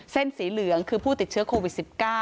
เส้นสีเหลืองคือผู้ติดเชื้อโควิด๑๙